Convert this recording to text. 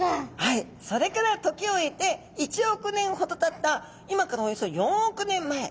それから時を経て１億年ほどたった今からおよそ４億年前。